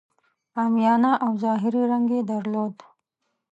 عامیانه او ظاهري رنګ یې درلود.